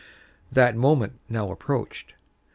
That moment now approached.